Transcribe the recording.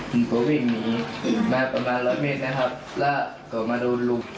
หุ่นโควิ่งหนีมาประมาณละเมตรนะครับและกลับมาโดนลุม